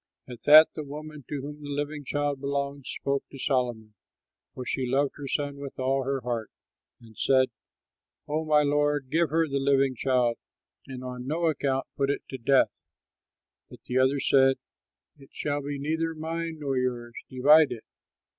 At that the woman to whom the living child belonged spoke to Solomon for she loved her son with all her heart and said, "Oh, my lord, give her the living child and on no account put it to death." But the other said, "It shall be neither mine nor yours! Divide it!"